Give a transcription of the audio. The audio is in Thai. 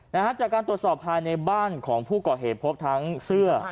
นะฮะจากการตรวจสอบภายในบ้านของผู้ก่อเหตุพบทั้งเสื้อ